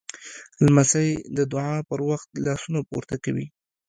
لمسی د دعا پر وخت لاسونه پورته کوي.